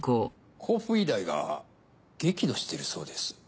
甲府医大が激怒しているそうです。